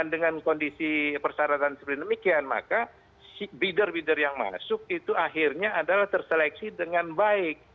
dengan kondisi persyaratan seperti demikian maka bidder bider yang masuk itu akhirnya adalah terseleksi dengan baik